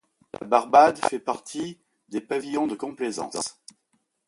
La Barbade fait partie des pavillons de complaisance.